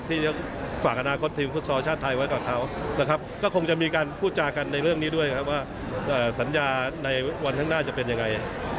ก็ได้รึเปล่าเอาคันนอกทีมฟุตซอลชาติไทยไว้ก่อนเขารึครับก็คงจะมีการพูดจากันในเรื่องนี้ด้วยสัญญาในวันข้างหน้าจะเป็นยังไง